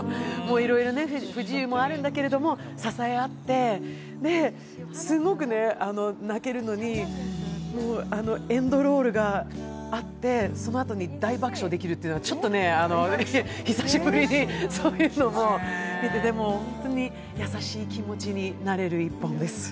いろいろ不自由もあるんだけど支え合って、すごく泣けるのに、エンドロールがあって、そのあとに大爆笑できるっていうのが、久しぶりにそういうのもあって本当に優しい気持ちになれる１本です。